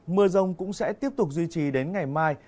mưa rông cũng sẽ tiếp tục duy trì đến ngày mai